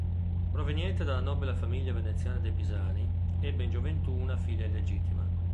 Proveniente dalla nobile famiglia veneziana dei Pisani, ebbe in gioventù una figlia illegittima.